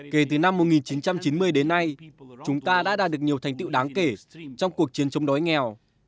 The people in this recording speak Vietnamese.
kể từ năm một nghìn chín trăm chín mươi đến nay chúng ta đã đạt được nhiều thành tiệu đáng kể trong cuộc chiến chống đói nghèo